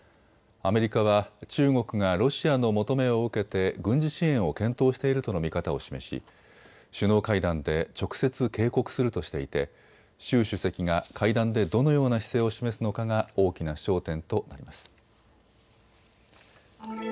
アメリカは中国がロシアの求めを受けて軍事支援を検討しているとの見方を示し首脳会談で直接、警告するとしていて習主席が会談でどのような姿勢を示すのかが大きな焦点となります。